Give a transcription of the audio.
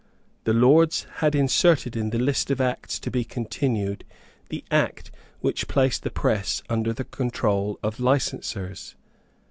The Lords had inserted in the list of Acts to be continued the Act which placed the press under the control of licensers.